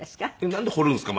なんで掘るんですか？